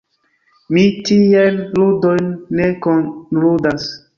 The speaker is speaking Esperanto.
Mi tiajn ludojn ne kunludas.